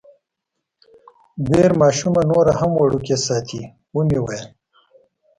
بیر ماشومه نوره هم وړوکې ساتي، ومې ویل.